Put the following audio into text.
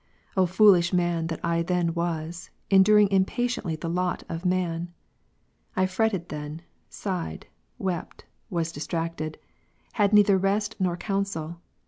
O foolish man that I then was, enduring impatiently the lot of man ! I fretted then, sighed, wept, was distracted ; had neither rest nor counsel.